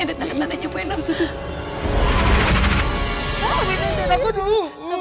ada tanda tanda cepetnya